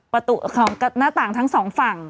ของหน้าต่างทั้งสองฝั่ง